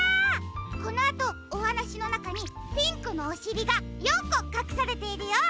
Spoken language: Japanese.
このあとおはなしのなかにピンクのおしりが４こかくされているよ。